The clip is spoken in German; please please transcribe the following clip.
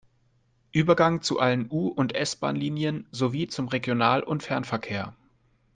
Übergang zu allen U- und S-Bahnlinien sowie zum Regional- und Fernverkehr.